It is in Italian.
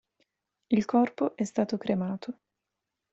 Il corpo è stato cremato.